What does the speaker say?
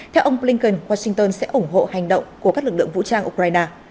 theo ông blinken washington sẽ ủng hộ hành động của các lực lượng vũ trang ukraine